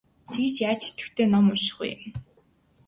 Тэгвэл яаж идэвхтэй ном унших вэ?